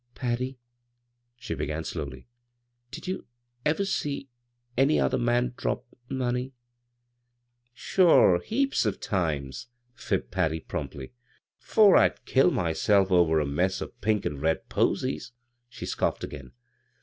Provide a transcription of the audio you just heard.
" Patty," she began slowly, " did you ever see — any other man drop — mcmey ?" "Sure, heaps o' times," fibbed Patty, promptly. " 'Fore I'd kill myself over a mess o' pink an' red posies t " she scoffed again.